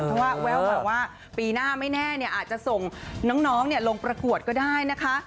เพราะว่าแววมาว่าปีหน้าไม่แน่อาจจะส่งน้องลงประกวดก็ได้นะคะ